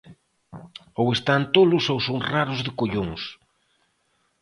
Ou están tolos ou son raros de collóns.